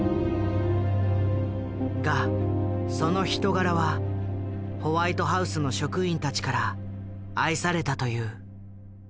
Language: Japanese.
がその人柄はホワイトハウスの職員たちから愛されたという。